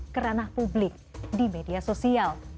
kerana publik di media sosial